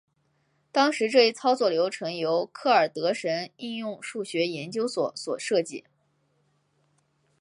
当时这一操作流程由克尔德什应用数学研究所所设计。